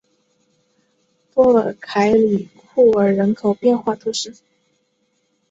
波尔凯里库尔人口变化图示